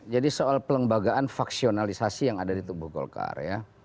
jadi soal pelembagaan faksionalisasi yang ada di tubuh golkar